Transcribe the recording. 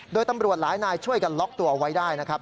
โดยตำรวจหลายนายช่วยกันล็อกตัวเอาไว้ได้นะครับ